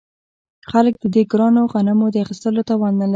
خلک د دې ګرانو غنمو د اخیستلو توان نلري